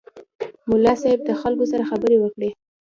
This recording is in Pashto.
ملا صیب د خلکو سره خبرې وکړې.